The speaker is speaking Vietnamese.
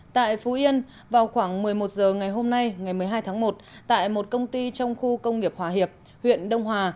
tại phú yên vào khoảng một mươi một h ngày hôm nay ngày một mươi hai tháng một tại một công ty trong khu công nghiệp hòa hiệp huyện đông hòa